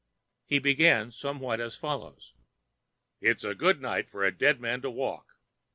He began somewhat as follows: "It's a good night for a dead man to walk."